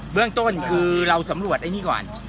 เรื่องต้นคือเราสำรวจไอ้นี่ก่อน